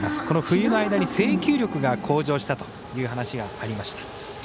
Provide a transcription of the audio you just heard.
この冬の間に制球力が向上したという話がありました。